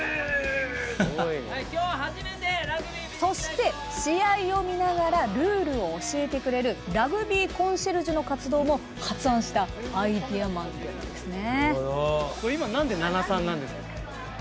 そして試合を見ながらルールを教えてくれるラグビーコンシェルジュの活動も発案したアイデアマンなんですね。